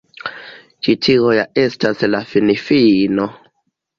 Ĉi tio ja estas la finfino.